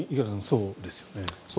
そうですね。